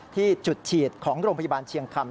ที่จุดฉีดของโรงพยาบาลเชียงคำ